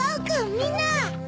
みんな！